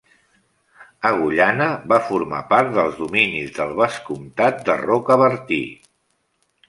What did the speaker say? Agullana va formar part dels dominis del vescomtat de Rocabertí.